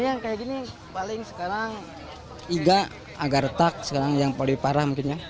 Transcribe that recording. yang kayak gini paling sekarang iga agak retak sekarang yang paling parah mungkin ya